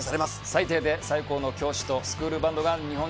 最低で最高の教師とスクールバンドが日本中を熱くします！